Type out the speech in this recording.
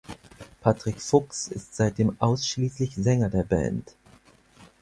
Patrick Fuchs ist seitdem ausschließlich Sänger der Band.